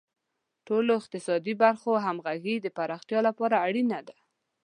د ټولو اقتصادي برخو همغږي د پراختیا لپاره اړینه ده.